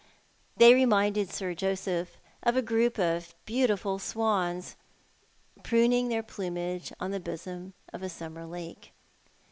They reminded Sir Joseph of a group of beautiful swans, pruning their plumage on the bosom of a summer lake.